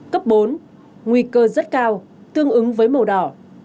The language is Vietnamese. cấp bốn nguy cơ rất cao tương ứng với màu đỏ